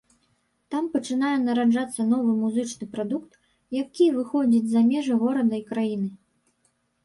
Там пачынае нараджацца новы музычны прадукт, які выходзіць за межы горада і краіны.